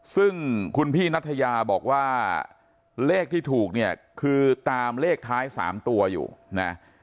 ซึ่งคุณพี่นัทยาบอกว่าเลขที่ถูกเนี่ยคือตามเลขท้าย๓ตัวอยู่นะ